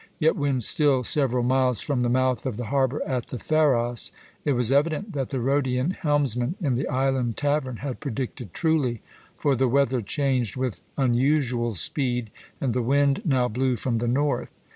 Yet, when still several miles from the mouth of the harbour at the Pharos, it was evident that the Rhodian helmsman in the island tavern had predicted truly; for the weather changed with unusual speed, and the wind now blew from the north.